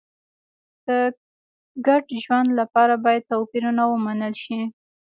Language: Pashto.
د ګډ ژوند لپاره باید توپیرونه ومنل شي.